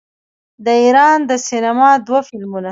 د ایران د سینما دوه فلمونه